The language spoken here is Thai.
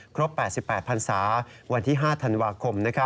ครบ๘๘พันศาวันที่๕ธันวาคม